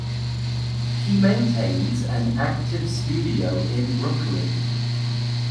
He maintains an active studio in Brooklyn.